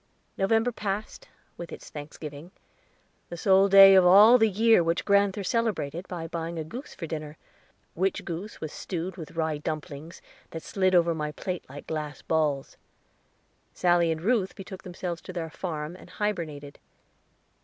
November passed, with its Thanksgiving the sole day of all the year which grand'ther celebrated, by buying a goose for dinner, which goose was stewed with rye dumplings, that slid over my plate like glass balls. Sally and Ruth betook themselves to their farm, and hybernated.